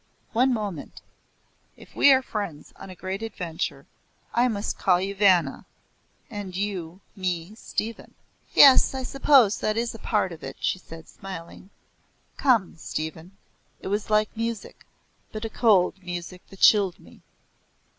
"One moment If we are friends on a great adventure, I must call you Vanna, and you me Stephen." "Yes, I suppose that is part of it," she said, smiling. "Come, Stephen." It was like music, but a cold music that chilled me.